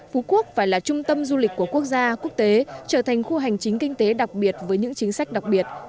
phú quốc phải là trung tâm du lịch của quốc gia quốc tế trở thành khu hành chính kinh tế đặc biệt với những chính sách đặc biệt